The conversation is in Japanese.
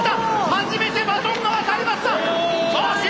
初めてバトンが渡りました！